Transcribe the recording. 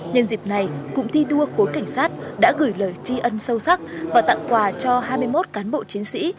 nhân dịp này cụm thi đua khối cảnh sát đã gửi lời tri ân sâu sắc và tặng quà cho hai mươi một cán bộ chiến sĩ